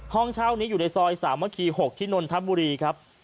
ห้องเช่านี้อยู่ในซอยสามัคคี๖ที่นนทบุรีครับ